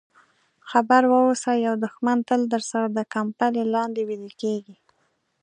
خبر واوسه یو دښمن تل درسره د کمپلې لاندې ویده کېږي.